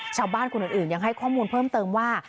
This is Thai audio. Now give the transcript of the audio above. ชาวบ้านคนอื่นยังให้ข้อมูลเพิ่มเติมว่า